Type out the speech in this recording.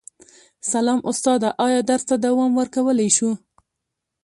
سلام استاده ایا درس ته دوام ورکولی شو